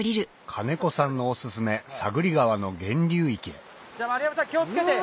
兼子さんのお薦め三国川の源流域へじゃあ丸山さん気を付けて！